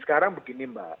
sekarang begini mbak